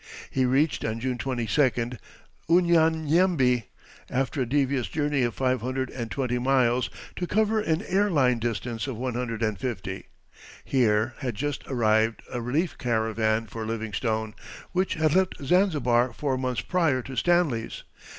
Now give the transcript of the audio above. He reached, on June 22d, Unyanyembe, after a devious journey of five hundred and twenty miles to cover an air line distance of one hundred and fifty. Here had just arrived a relief caravan for Livingstone, which had left Zanzibar four months prior to Stanley's.